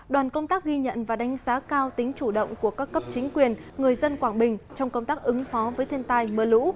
đoàn công tác ghi nhận và đánh giá cao tính chủ động của các cấp chính quyền người dân quảng bình trong công tác ứng phó với thiên tai mưa lũ